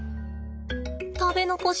食べ残し